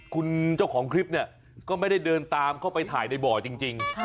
คุณเจ้าของคลิปเนี่ยก็ไม่ได้เดินตามเข้าไปถ่ายในบ่อจริง